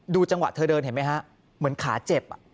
จังหวะเธอเดินเห็นไหมฮะเหมือนขาเจ็บ